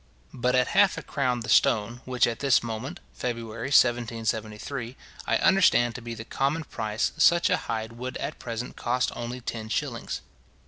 But at half a crown the stone, which at this moment (February 1773) I understand to be the common price, such a hide would at present cost only ten shillings.